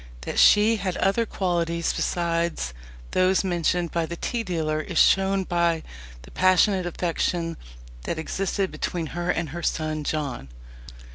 That she had other qualities besides those mentioned by the tea dealer is shown by the passionate affection that existed between her and her son John.